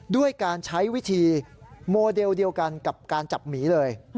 ด้วยการใช้วิธีโมเดลเดียวกันกับการจับหมีเลย